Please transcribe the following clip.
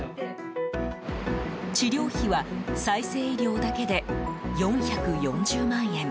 治療費は再生医療だけで４４０万円。